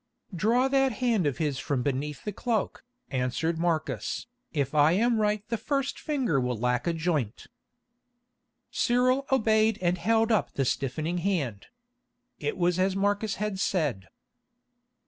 "Draw that hand of his from beneath the cloak," answered Marcus. "If I am right the first finger will lack a joint." Cyril obeyed and held up the stiffening hand. It was as Marcus had said.